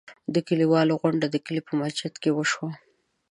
د کلیوالو غونډه د کلي په مسجد کې وشوه.